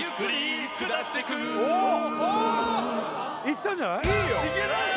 いったんじゃない？